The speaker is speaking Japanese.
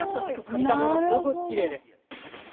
見た目もすごくきれいです。